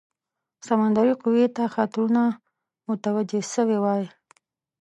سمندري قوې ته خطرونه متوجه سوي وای.